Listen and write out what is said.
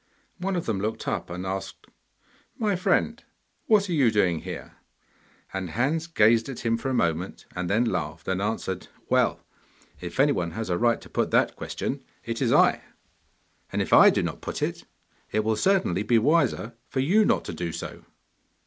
One of them looked up and asked, 'My friend, what are you doing here?' and Hans gazed at him for a moment, then laughed and answered, 'Well, if anybody has a right to put that question, it is I! And if I do not put it, it will certainly be wiser for you not to do so!